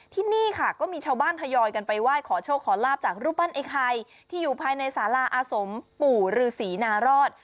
ที่นี่ค่ะก็มีชาวบ้านทยอยกันไปไหว้ขอโชคขอลาบจากรูปปั้นไอ้ไข่ที่อยู่ภายในสาราอาสมปู่ฤษีนารอด